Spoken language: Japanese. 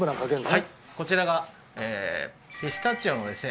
こちらがピスタチオのですね